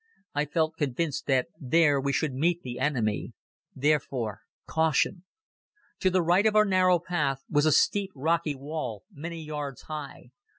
I felt convinced that there we should meet the enemy. Therefore, caution! To the right of our narrow path was a steep rocky wall many yards high.